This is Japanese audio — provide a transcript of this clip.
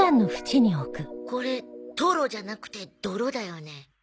これトロじゃなくて泥だよね。